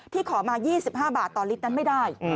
ขอมา๒๕บาทต่อลิตรนั้นไม่ได้